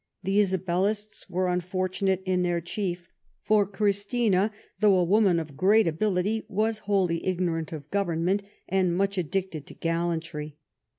The Isabellists were unfortunate in their chief; for Christina, though a woman of great ability, was wholly ignorant of government, and much addicted to gallantry.